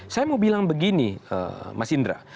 saya mau bilang begini mas indra